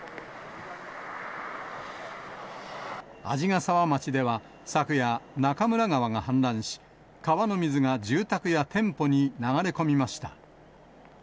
鰺ヶ沢町では、昨夜、中村川が氾濫し、川の水が住宅や店舗に流れ込みました。